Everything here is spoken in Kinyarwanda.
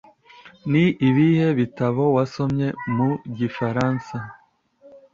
Ni ibihe bitabo wasomye mu gifaransa?